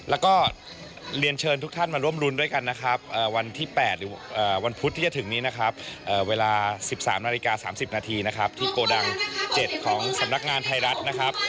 แล้วก็เรียนเชิญทุกท่านมาร่วมรุ้นด้วยกันนะครับวันที่๘หรือวันพุธที่จะถึงนี้นะครับเวลา๑๓นาฬิกา๓๐นาทีนะครับที่โกดัง๗ของสำนักงานไทยรัฐนะครับ